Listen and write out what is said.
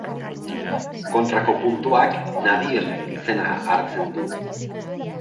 Kontrako puntuak nadir izena hartzen du.